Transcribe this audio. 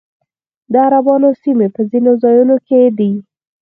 د عربانو سیمې په ځینو ځایونو کې دي